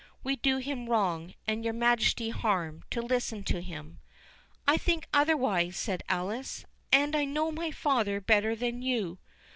"We do him wrong, and your Majesty harm, to listen to him." "I think otherwise," said Alice, "and I know my father better than you."